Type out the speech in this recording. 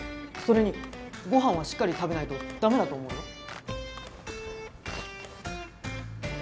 それに御飯はしっかり食べないと駄目だと思うよ。